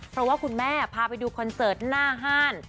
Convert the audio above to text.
เพราะว่าคุณแม่พาไปดูคอนเสิร์ตหน้าห้าน